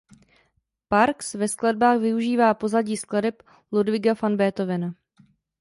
Parks ve skladbách využívá pozadí skladeb Ludwiga van Beethovena.